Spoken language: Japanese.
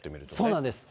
そうなんです。